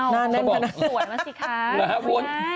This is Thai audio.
น่าเล่นขนาดสวยมาสิคะ